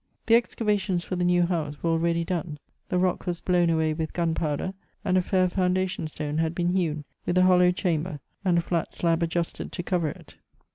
The excavations for the new house were already done ; the rock was blown away with gunpowder; and a fair foun dation stone had been hewn, with a hollow chamber, and a flat slab adjusted to cover it.